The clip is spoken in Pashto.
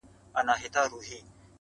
په خوښۍ مستي یې ورځي تېرولې!!